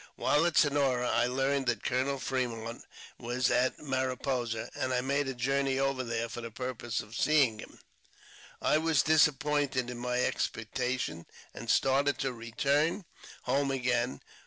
While at Sonora I learned that Colonel Fremont was at Mariposa, and I made a journey over there for the purpose of seeing him. I was disappointed in my expectation, and started to return home again.